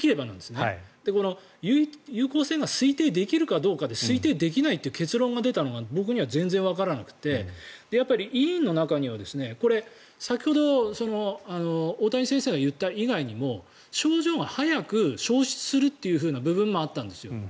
この有効性が推定できるかどうかで推定できないって結論が出たのが僕には全然わからなくて委員の中には先ほど大谷先生が言った以外にも症状が早く消失するという部分もあったんですよ。